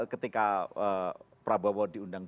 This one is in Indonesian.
ketika prabowo diundang